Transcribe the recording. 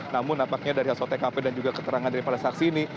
namun nampaknya dari hasil tkp dan juga keterangan dari para saksi ini